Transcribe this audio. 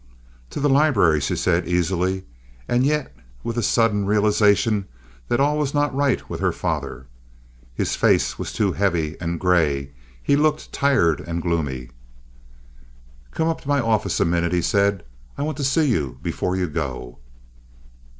"To the library," she said easily, and yet with a sudden realization that all was not right with her father. His face was too heavy and gray. He looked tired and gloomy. "Come up to my office a minute," he said. "I want to see you before you go."